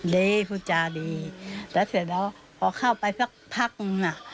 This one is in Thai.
ดีพูดจาดีแต่เสร็จแล้วพอเข้าไปพักน่ะ